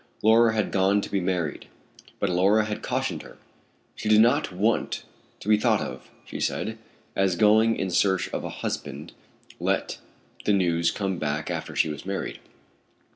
Laura had gone to be married; but Laura had cautioned her; she did not want to be thought of, she said, as going in search of a husband; let the news come back after she was married.